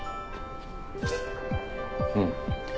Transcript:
うん。